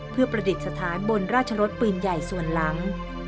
เพื่อประดิษฐานบนราชรสปืนใหญ่ส่วนหลัง